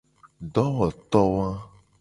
Dowoto wa.